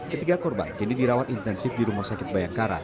ketiga korban kini dirawat intensif di rumah sakit bayangkara